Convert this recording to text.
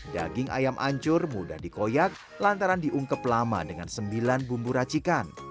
daging ayam ancur mudah dikoyak lantaran diungkep lama dengan sembilan bumbu racikan